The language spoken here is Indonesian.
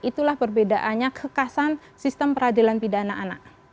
itulah perbedaannya kekasan sistem peradilan pidana anak